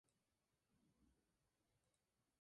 Contaba con secretario, juez municipal, fiscal y párroco.